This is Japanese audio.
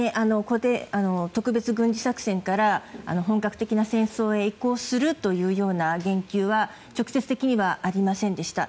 特別軍事作戦から本格的な戦争へ移行するというような言及は直接的にはありませんでした。